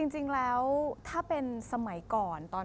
จริงแล้วถ้าเป็นสมัยก่อน